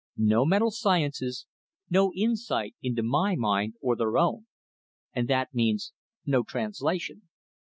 No mental sciences, no insight into my mind or their own and that means no translation.